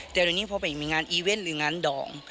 แต่เดี๋ยวนี้พอไปมีงานอีเวนต์หรืองานดอง